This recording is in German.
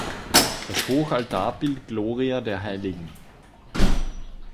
Das Hochaltarbild Gloria der hl.